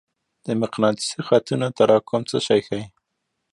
د مقناطیسي خطونو تراکم څه شی ښيي؟